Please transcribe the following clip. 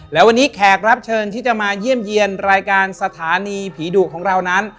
และวันนี้แขกรับเชิญที่จะมาเยี่ยมเยี่ยมรายการสถานีผีดุของเรานั้น